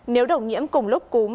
nếu đổ nhiễm cùng lúc cúm